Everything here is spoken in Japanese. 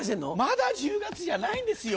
まだ１０月じゃないんですよ